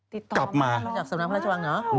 ติดต่อกลับมามาจากสำนักพระราชวังเหรอ